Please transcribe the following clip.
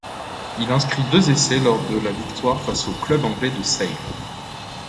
Il inscrit deux essais lors de la victoire face au club anglais de Sale.